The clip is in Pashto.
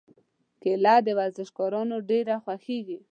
کېله د ورزشکارانو ډېره خوښېږي.